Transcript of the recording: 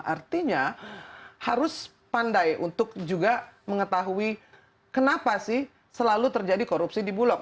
artinya harus pandai untuk juga mengetahui kenapa sih selalu terjadi korupsi di bulog